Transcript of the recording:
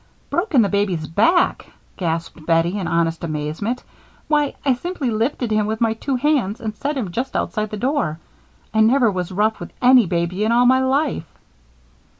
"Broken the baby's back!" gasped Bettie, in honest amazement. "Why, I simply lifted him with my two hands and set him just outside the door. I never was rough with any baby in all my life!"